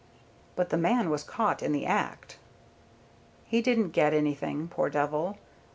"But the man was caught in the act." "He didn't get any thing, poor devil.